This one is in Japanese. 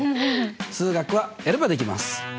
数学はやればできます！